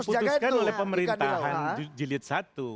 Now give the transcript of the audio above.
itu sudah diputuskan oleh pemerintahan jilid satu